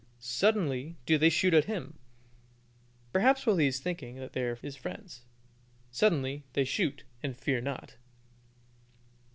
"Suddenly do they shoot at him," perhaps while he is thinking they are his friends. "Suddenly they shoot, and fear not."